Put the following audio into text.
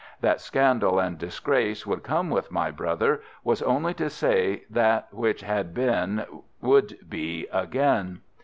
That scandal and disgrace would come with my brother was only to say that what had been would be again.